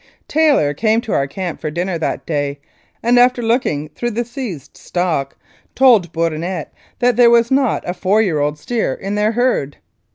Taylor came to our camp for dinner that day, and after looking through the seized stock, told Bourinot that there was not a four year old steer in their herd.